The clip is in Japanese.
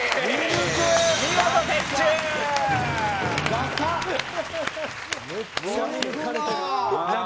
見事的中！